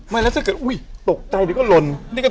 ไม่แล้วถ้าเกิดอุ้ยตกใจก็หล่น